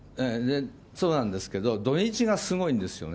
そうなんですけど、土日がすごいんですよね。